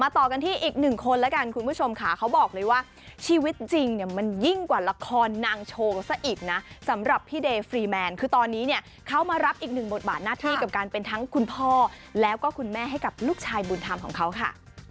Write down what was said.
ต่อกันที่อีกหนึ่งคนแล้วกันคุณผู้ชมค่ะเขาบอกเลยว่าชีวิตจริงเนี่ยมันยิ่งกว่าละครนางโชว์ซะอีกนะสำหรับพี่เดย์ฟรีแมนคือตอนนี้เนี่ยเขามารับอีกหนึ่งบทบาทหน้าที่กับการเป็นทั้งคุณพ่อแล้วก็คุณแม่ให้กับลูกชายบุญธรรมของเขาค่ะ